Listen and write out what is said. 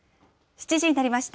７時になりました。